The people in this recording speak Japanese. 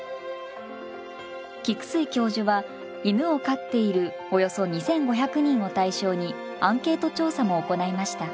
菊水教授は犬を飼っているおよそ２，５００人を対象にアンケート調査も行いました。